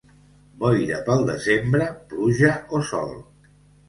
Boira pel desembre, pluja o sol.